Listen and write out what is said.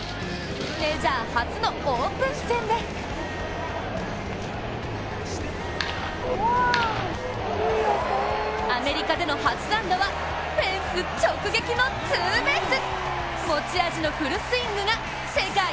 メジャー初のオープン戦でアメリカでの初安打はフェンス直撃のツーベース。